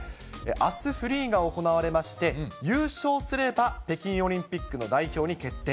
あすフリーが行われまして、優勝すれば北京オリンピックの代表に決定。